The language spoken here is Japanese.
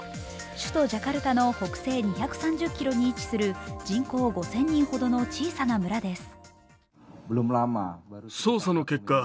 首都ジャカルタの北西２３０ｋｍに位置する人口５０００人ほどの小さな村です。